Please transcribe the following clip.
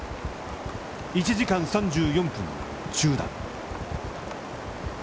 １時間３４分の中断。